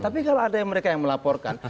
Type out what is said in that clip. tapi kalau ada mereka yang melaporkan